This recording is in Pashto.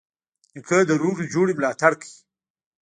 نیکه د روغي جوړې ملاتړ کوي.